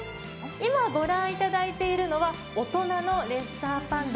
今、御覧いただいているのは大人のレッサーパンダ。